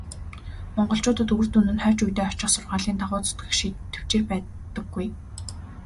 Монголчуудад үр дүн нь хойч үедээ очих сургаалын дагуу зүтгэх тэвчээр байдаггүй.